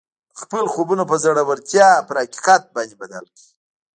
خپل خوبونه په زړورتیا سره پر حقیقت باندې بدل کړئ